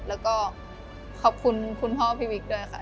แล้วก็ขอบคุณคุณพ่อพี่วิกด้วยค่ะ